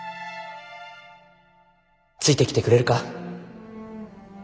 ついてきてくれるか。